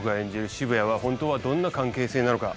渋谷は本当はどんな関係性なのか？